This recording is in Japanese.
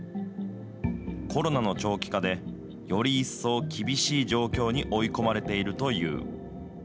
コロナの長期化で、より一層、厳しい状況に追い込まれているという。